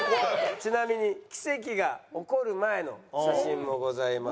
ちなみに奇跡が起こる前の写真もございます。